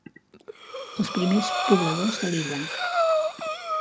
Els primers pobladors de l'illa.